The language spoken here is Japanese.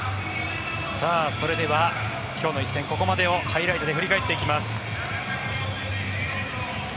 それでは今日の一戦ここまでをハイライトで振り返っていきます。